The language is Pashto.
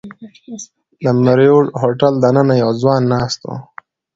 د مریوټ هوټل دننه یو ځوان ناست و.